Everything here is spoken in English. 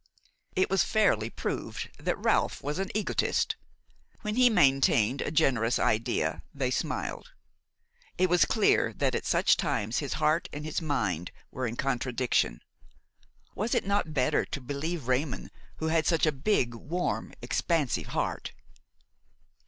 It was fairly proved that Ralph was an egotist; when he maintained a generous idea, they smiled; it was clear that at such times his heart and his mind were in contradiction. Was it not better to believe Raymon, who had such a big, warm, expansive heart?